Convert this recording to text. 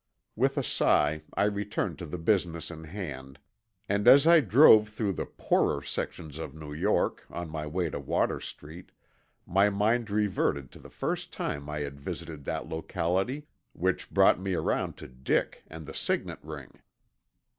With a sigh I returned to the business in hand, and as I drove through the poorer sections of New York on my way to Water Street my mind reverted to the first time I had visited that locality, which brought me around to Dick and the signet ring.